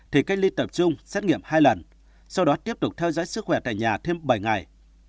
thì cách ly tập trung xét nghiệm hai lần sau đó tiếp tục theo dõi sức khỏe tại nhà thêm bảy ngày